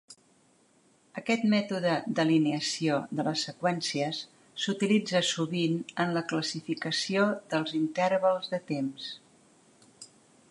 Aquest mètode d'alineació de les seqüències s'utilitza sovint en la classificació dels intervals de temps.